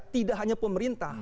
tidak hanya pemerintah